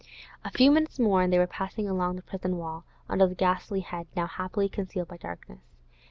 A few minutes more, and they were passing along by the prison wall, under the ghastly head, now happily concealed by darkness.